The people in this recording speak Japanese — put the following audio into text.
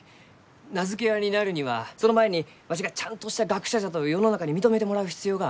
名付け親になるにはその前にわしがちゃんとした学者じゃと世の中に認めてもらう必要がある。